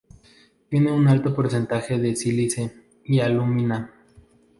Tiene un alto porcentaje de sílice y alúmina.